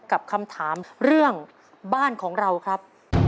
กับคำถามเรื่องบ้านของเราครับ